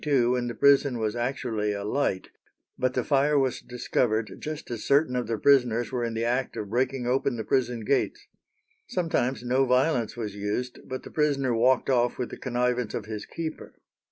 In 1615, for instance, and again in 1692, when the prison was actually alight; but the fire was discovered just as certain of the prisoners were in the act of breaking open the prison gates. Sometimes no violence was used, but the prisoner walked off with the connivance of his keeper.